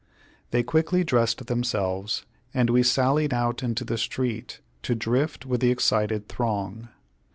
They quickly dressed themselves, and we sallied out into the street to drift with the excited throng.